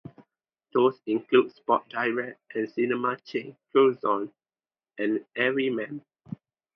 Those include Sports Direct and cinema chains Curzon and Everyman.